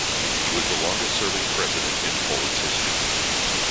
He was the longest serving President in Poland's history.